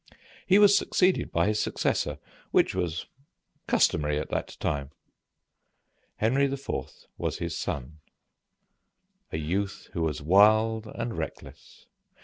He was succeeded by his successor, which was customary at that time. Henry V. was his son, a youth who was wild and reckless.